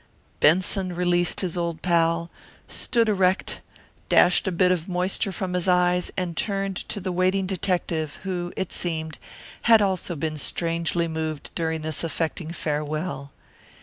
Benson released his old pal, stood erect, dashed a bit of moisture from his eyes, and turned to the waiting detective who, it seemed, had also been strangely moved during this affecting farewell.